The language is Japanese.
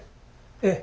ええ。